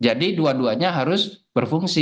dua duanya harus berfungsi